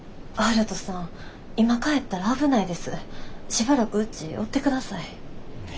しばらくうちおってください。